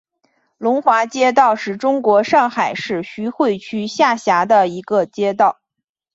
龙华街道是中国上海市徐汇区下辖的一个街道。